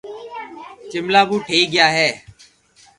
جملا بو ٺئي گيا ھي